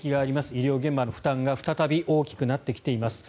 医療現場の負担が再び大きくなってきています。